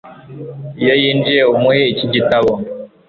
Iyo yinjiye umuhe iki gitabo